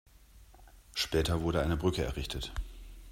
Später wurde eine Brücke errichtet.